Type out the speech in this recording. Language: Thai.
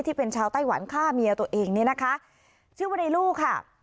ที่เป็นชาวไต้หวันฆ่าเมียตัวเองเนี่ยนะคะชื่อว่าในลูกค่ะ